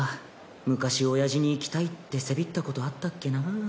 昔おやじに行きたいってせびったことあったっけなぁ。